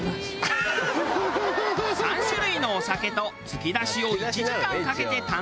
３種類のお酒とつきだしを１時間かけて堪能したのでした。